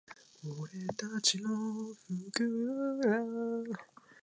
どちらが正解!?細いタイヤと太いタイヤ、太さを変えると走りに違いは生まれるのか？